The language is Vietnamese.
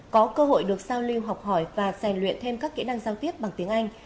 có cơ hội được giao lưu học hỏi và rèn luyện thêm các kỹ năng giao tiếp bằng tiếng anh